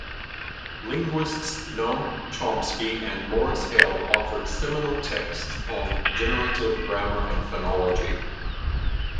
Linguists Noam Chomsky and Morris Halle authored seminal texts on generative grammar and phonology.